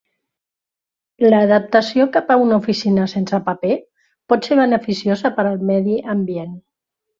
La adaptació cap a una oficina sense paper pot ser beneficiosa per al medi ambient.